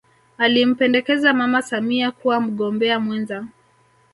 alimpendekeza mama samia kuwa mgombea mwenza